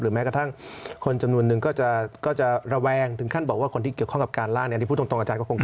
หรือแม้กระทั่งคนจำนวนหนึ่งก็จะระแวงถึงขั้นบอกว่าคนที่เกี่ยวข้องกับการล่าง